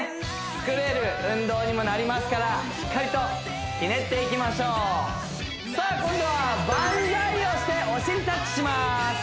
作れる運動にもなりますからしっかりとひねっていきましょうさあ今度はバンザイをしてお尻タッチします